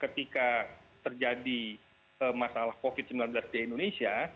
ketika terjadi masalah covid sembilan belas di indonesia